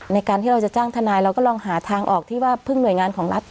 ในการที่เราจะจ้างทนายเราก็ลองหาทางออกที่ว่าพึ่งหน่วยงานของรัฐ